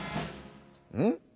うん？